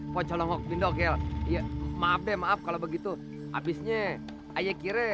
pocolongok bindokel maaf deh maaf kalau begitu habisnya ayo kira daerah sini